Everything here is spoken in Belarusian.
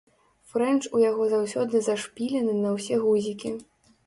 Фрэнч у яго заўсёды зашпілены на ўсе гузікі.